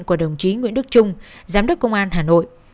của đồng chí nguyễn đức trung giám đốc công an hà nội